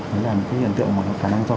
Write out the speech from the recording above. đó là cái hiện tượng mà có khả năng cho